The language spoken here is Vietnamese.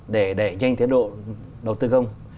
để nhanh tiến độ đầu tư công